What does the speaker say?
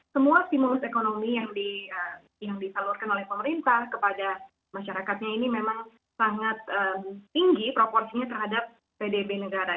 semua stimulus ekonomi yang disalurkan oleh pemerintah kepada masyarakatnya ini memang sangat tinggi proporsinya terhadap pdb negara